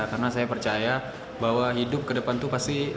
karena saya percaya bahwa hidup ke depan tuh pasti